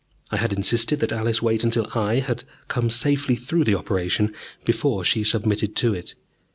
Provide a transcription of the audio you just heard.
I had insisted that Alice wait until I had come safely through the operation, before she submitted to it.